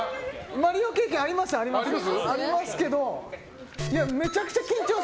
「マリオ」経験ありますけど。